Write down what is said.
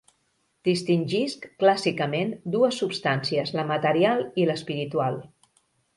Distingisc, clàssicament, dues substàncies, la material i l'espiritual.